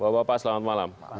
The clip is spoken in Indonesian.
bapak bapak selamat malam